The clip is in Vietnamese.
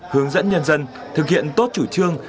hướng dẫn nhân dân thực hiện tốt chủ trương